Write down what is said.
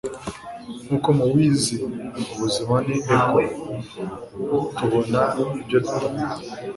Nkuko mubizi, ubuzima ni echo; tubona ibyo dutanga. ”